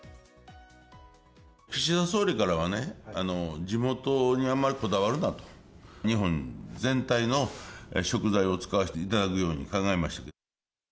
岸田総理からはね、地元にあまりこだわるな、日本全体の食材を使わせていただくように考えました。